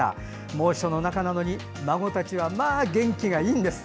猛暑の中なのに孫たちはまあ元気がいいんです。